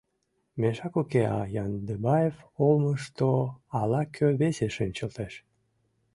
Мешак уке, а Яндыбаев олмышто ала-кӧ весе шинчылтеш.